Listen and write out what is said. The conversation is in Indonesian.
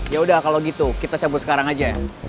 yaudah kalau gitu kita cabut sekarang aja ya